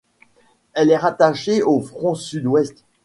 Elle est rattachée au front sud-ouest.